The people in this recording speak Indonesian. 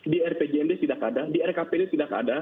di rpjmd tidak ada di rkpd tidak ada